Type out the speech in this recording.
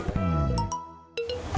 terus kenapa kok